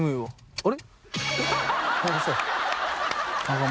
あれ？